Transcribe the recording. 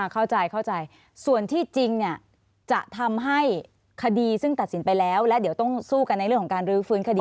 เข้าใจเข้าใจส่วนที่จริงจะทำให้คดีซึ่งตัดสินไปแล้วและเดี๋ยวต้องสู้กันในเรื่องของการรื้อฟื้นคดี